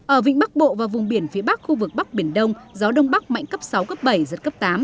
ở vịnh bắc bộ và vùng biển phía bắc khu vực bắc biển đông gió đông bắc mạnh cấp sáu cấp bảy giật cấp tám